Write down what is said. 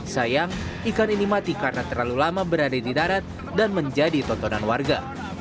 sayang ikan ini mati karena terlalu lama berada di darat dan menjadi tontonan warga